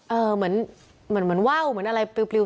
เออเหมือนเหมือนเหมือนว่าวเหมือนอะไรปลิวปลิว